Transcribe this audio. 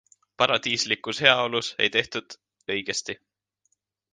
Paradiislikus heaolus ei tehtud õigesti.